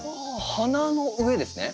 花の上ですね？